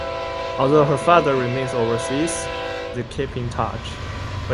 Although her father remains overseas, they keep in touch.